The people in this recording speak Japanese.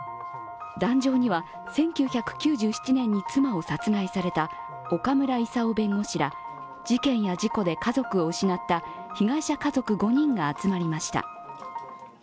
檀上には１９９７年に妻を殺害された岡村勲弁護士ら事件や事故で家族を失った被害者家族５人が集まりました。